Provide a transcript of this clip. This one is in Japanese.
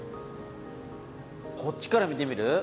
こっちから見てみる？